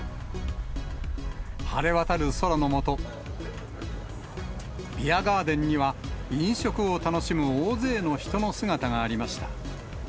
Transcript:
晴れ渡る空の下、ビアガーデンには飲食を楽しむ大勢の人の姿がありました。